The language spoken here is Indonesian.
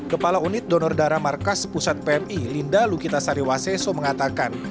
kepala unit donor darah markas pusat pmi linda lukita sariwaseso mengatakan